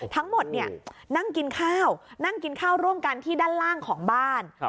ทั้งหมดนั่งกินเข้าโรงการที่ด้านล่างของบ้าน